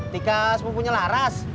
tika sepupunya laras